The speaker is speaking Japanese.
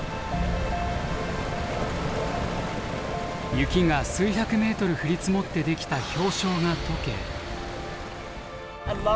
雪が数百ｍ降り積もってできた氷床が解け。